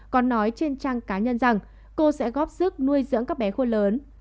còn nói trên trang cá nhân rằng cô sẽ góp sức nuôi dưỡng các bé khô lớn